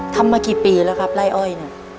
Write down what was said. ทำมากี่ปีแล้วครับไล่อ้อยเนี่ย